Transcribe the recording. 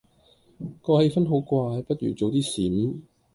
個氣氛好怪，不如早啲閃